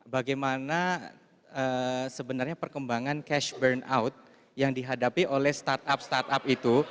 bagaimana sebenarnya perkembangan cash burnout yang dihadapi oleh startup startup itu